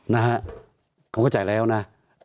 นะฮะเขาเข้าใจแล้วนะ